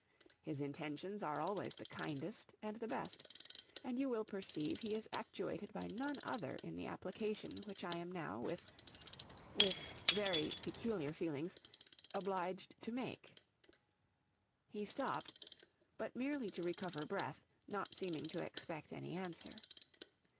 His intentions are always the kindest and the best, and you will perceive he is actuated by none other in the application which I am now, with with very peculiar feelings obliged to make.' He stopped, but merely to recover breath, not seeming to expect any answer.